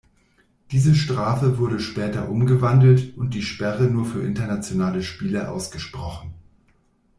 Diese Strafe wurde später umgewandelt und die Sperre nur für internationale Spiele ausgesprochen.